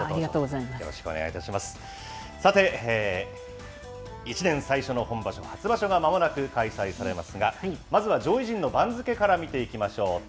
さて、１年最初の本場所、初場所がまもなく開催されますが、まずは上位陣の番付から見ていきましょう。